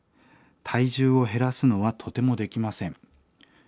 体重を減らすのはとてもできません。